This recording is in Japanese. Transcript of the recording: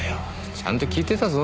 ちゃんと聞いてたぞ。